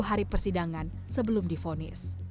hari persidangan sebelum difonis